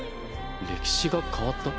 歴史が変わった？